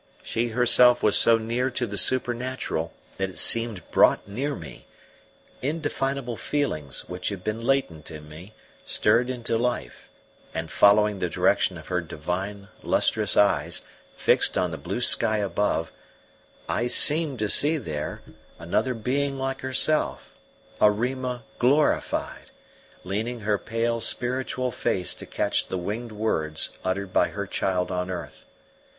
She herself was so near to the supernatural that it seemed brought near me; indefinable feelings, which had been latent in me, stirred into life, and following the direction of her divine, lustrous eyes, fixed on the blue sky above, I seemed to see there another being like herself, a Rima glorified, leaning her pale, spiritual face to catch the winged words uttered by her child on earth.